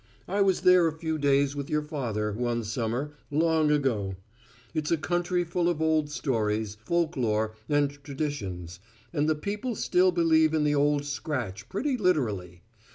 "I was there a few days with your father, one summer, long ago. It's a country full of old stories, folklore, and traditions; and the people still believe in the Old Scratch pretty literally.